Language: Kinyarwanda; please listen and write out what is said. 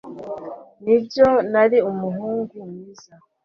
Nibyo nari umuhungu mwiza